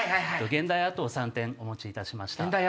現代アートを３点お持ちいたしました。